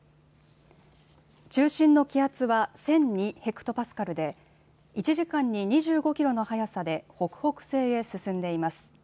中心の気圧は１００２ｈＰａで１時間に２５キロの速さで北北西へ進んでいます。